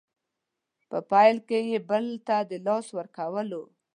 په پیل کې بل ته د لاس ورکول